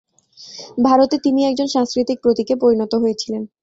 ভারতে তিনি একজন সাংস্কৃতিক প্রতীকে পরিণত হয়েছিলেন।